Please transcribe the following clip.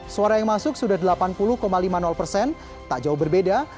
suara yang masuk sudah delapan puluh lima puluh persen tak jauh berbeda